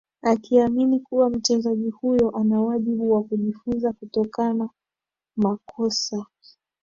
akiamini kuwa mchezaji huyo ana wajibu wa kujifunza kutokana makosa